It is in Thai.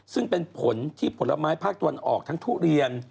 ซึ่งเป็นผลที่ผลไม้ภาคตะวันออกทั้งทุเรียน